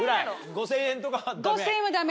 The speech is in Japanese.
５０００円とかはダメ？